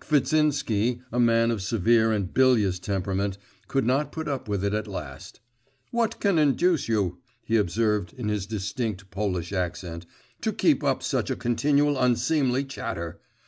Kvitsinsky, a man of severe and bilious temperament, could not put up with it at last 'What can induce you,' he observed, in his distinct Polish accent, 'to keep up such a continual unseemly chatter?